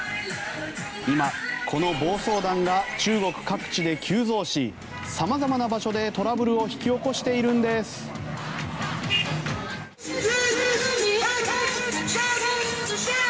今、この暴走団が中国各地で急増し様々な場所でトラブルを引き起こしているんです。